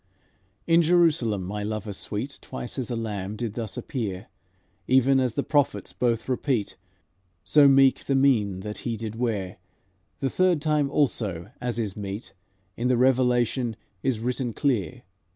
'" "In Jerusalem my Lover sweet Twice as a lamb did thus appear, Even as the prophets both repeat, So meek the mien that He did wear; The third time also, as is meet, In the Revelation is written clear.